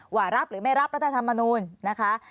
หว่ารับหรือไม่รับแล้วแต่ทำมานู่นนะคะ